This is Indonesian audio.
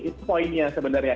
itu poinnya sebenarnya